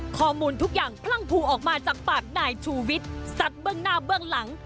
ข้อมูลทุกอย่างพลั่งพูออกมาจากปากนายชูวิทย์สัดเบื้องหน้าเบื้องหลัง